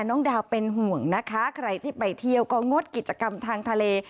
น้องดาวเป็นห่วงนะคะใครที่ไปเที่ยวก็งดกิจกรรมทางทะเล